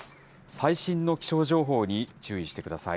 最新の気象情報に注意してください。